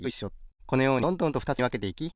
このようにどんどんとふたつにわけていき２